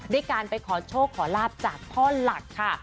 ด้วยการไปขอโชคขอลาบจากพ่อหลักค่ะ